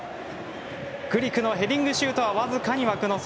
グリクのヘディングシュートは僅かに枠の外。